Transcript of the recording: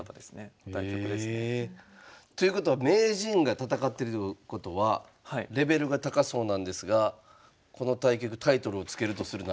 対局ですね。ということは名人が戦ってるってことはレベルが高そうなんですがこの対局タイトルを付けるとするならば？